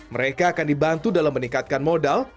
mereka akan dibantu dalam meningkatkan modal